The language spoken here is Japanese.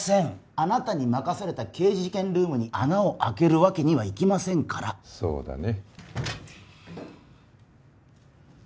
あなたに任された刑事事件ルームに穴をあけるわけにはいきませんからそうだね